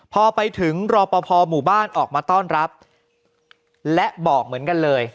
พอไปถึงรอปภหมู่บ้านออกมาต้อนรับและบอกเหมือนกันเลย